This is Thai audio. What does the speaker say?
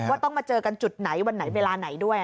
ต้องมาเจอกันจุดไหนวันไหนเวลาไหนด้วย